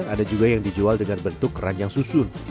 ada juga yang dijual dengan bentuk keranjang susun